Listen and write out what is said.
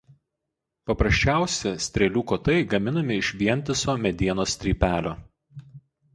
Paprasčiausi strėlių kotai gaminami iš vientiso medienos strypelio.